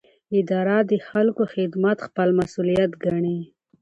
اداره د خلکو خدمت خپل مسوولیت ګڼي.